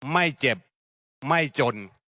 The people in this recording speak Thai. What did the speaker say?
ไม่เจ็บไม่จน